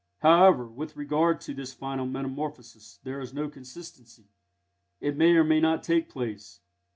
However, with regard to this final metamorphosis there is no consistency: it may or may not take place.